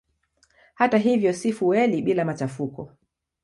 Hata hivyo si fueli bila machafuko.